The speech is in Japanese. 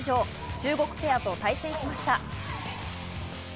中国ペアと対戦しました。